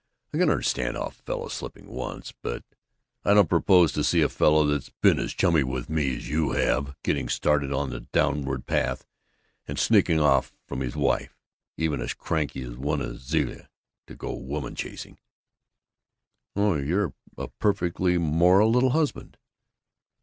I can understand a fellow slipping once, but I don't propose to see a fellow that's been as chummy with me as you have getting started on the downward path and sneaking off from his wife, even as cranky a one as Zilla, to go woman chasing " "Oh, you're a perfectly moral little husband!"